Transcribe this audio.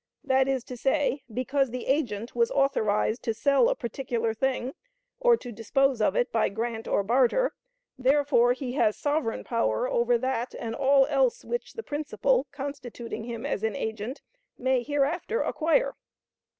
That is to say, because the agent was authorized to sell a particular thing, or to dispose of it by grant or barter, therefore he has sovereign power over that and all else which the principal, constituting him an agent, may hereafter acquire!